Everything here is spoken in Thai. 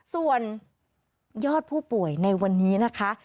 ส่วนยอดผู้ป่วยในวันนี้นะคะ